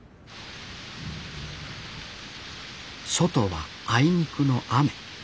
外はあいにくの雨。